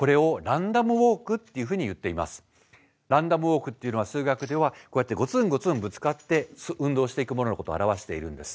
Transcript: ランダムウォークっていうのは数学ではこうやってゴツンゴツンぶつかって運動していくもののことを表しているんです。